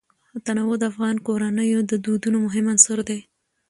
تنوع د افغان کورنیو د دودونو مهم عنصر دی.